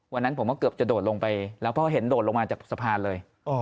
วันนั้นผมก็เกือบจะโดดลงไปแล้วเพราะเห็นโดดลงมาจากสะพานเลย